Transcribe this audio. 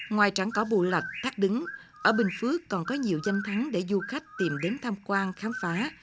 ngoài trắng cỏ bù lạch thác đứng ở bình phước còn có nhiều danh thắng để du khách tìm đến tham quan khám phá